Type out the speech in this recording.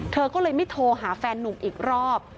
เธอก็เลยไม่โทรหาแฟนนุ่มอีกรอบ